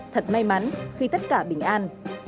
thật may mắn khi tất cả bình an